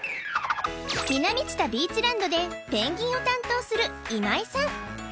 南知多ビーチランドでペンギンを担当する今井さん